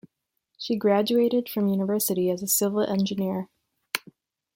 She graduated from university as a Civil Engineer.